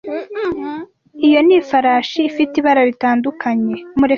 Iyo ni ifarashi ifite ibara ritandukanye.